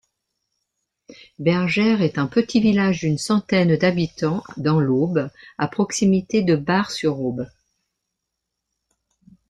Bergères est un petit village d'une centaine d'habitants dans l'Aube, à proximité de Bar-sur-Aube.